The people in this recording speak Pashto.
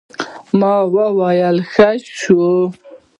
ما وويل ښه شى.